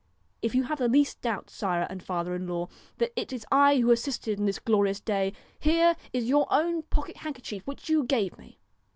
If you have the least doubt, sire and father in law, that it is I who assisted in this glorious day, here is your own pocket handkerchief which you gave me.